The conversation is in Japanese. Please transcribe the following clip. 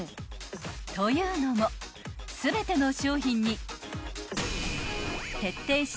［というのも全ての商品に］